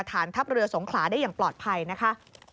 ฐานทัพเรือสงขลาได้อย่างปลอดภัยนะคะ